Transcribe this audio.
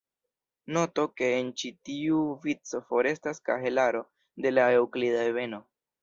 Noto ke en ĉi tiu vico forestas kahelaro de la eŭklida ebeno.